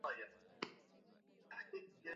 sambamba na udini Watu wa Kaskazini ni Waislamu